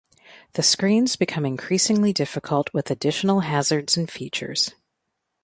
The screens become increasingly difficult with additional hazards and features.